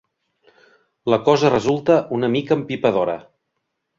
La cosa resulta una mica empipadora.